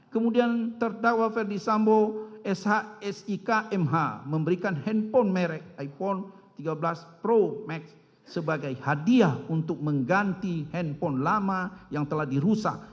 kemudian tertakwa farisambo shsikmh memberikan handphone merek iphone tiga belas pro max sebagai hadiah untuk mengganti handphone lama yang telah dirusak